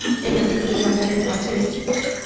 এলি, আমাকে একটু জো বার্গারের কাছে নিয়ে যাবে?